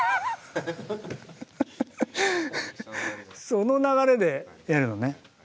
その流れでやるのね。